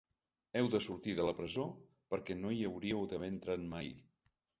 Heu de sortir de la presó perquè no hi hauríeu d’haver entrat mai.